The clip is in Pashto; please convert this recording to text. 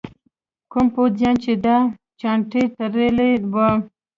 کوم پوځیان چې دا چانټې تړلي وو.